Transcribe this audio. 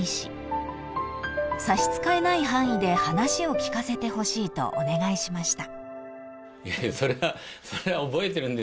［差し支えない範囲で話を聞かせてほしいとお願いしました］